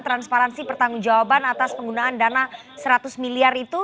transparansi pertanggung jawaban atas penggunaan dana seratus miliar itu